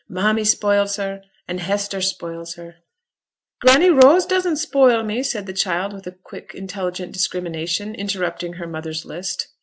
'Mammy spoils her, and Hester spoils her ' 'Granny Rose doesn't spoil me,' said the child, with quick, intelligent discrimination, interrupting her mother's list.